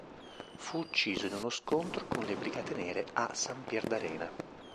Fu ucciso in uno scontro con le Brigate Nere a Sampierdarena.